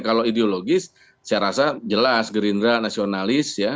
kalau ideologis saya rasa jelas gerindra nasionalis ya